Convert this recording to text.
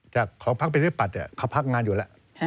จากของพักประชาธิปัตย์เขาพักงานอยู่แล้ว